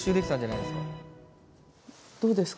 どうですか？